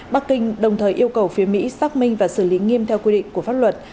bắc kinh đồng thời yêu cầu phía mỹ xác minh và xử lý nghiêm theo quy định của pháp luật